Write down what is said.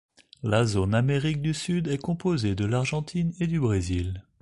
La zone Amérique du Sud est composée de l'Argentine et du Brésil.